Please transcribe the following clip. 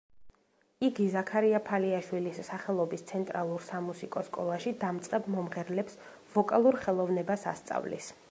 იგი ზაქარია ფალიაშვილის სახელობის ცენტრალურ სამუსიკო სკოლაში დამწყებ მომღერლებს ვოკალურ ხელოვნებას ასწავლის.